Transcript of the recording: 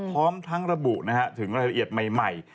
พร้อมทั้งระบุถึงรายละเอียดใหม่